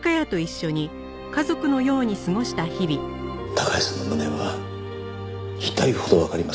孝也さんの無念は痛いほどわかります。